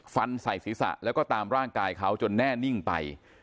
ฟันใส่ศีรษะแล้วก็ตามร่างกายเขาจนแน่นิ่งไป